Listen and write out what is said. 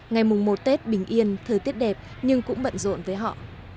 ngày mùng một tết bình yên thời tiết đẹp nhưng cũng bận rộn với họ